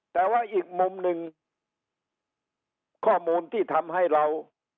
แต่ว่าอีกมุมหนึ่งข้อมูลที่ทำให้เรา